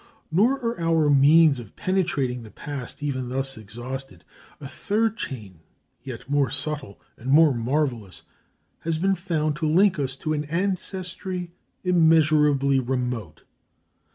Nor are our means of penetrating the past even thus exhausted. A third chain yet more subtle and more marvellous has been found to link us to an ancestry immeasurably remote.